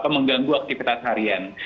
mengganggu aktivitas harian